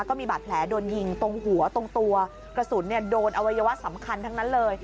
ก็มีบาดแผลโดนยิงตรงหัวตรงตัวกระสุนโดนอวัยวะสำคัญทั้งนั้นเลย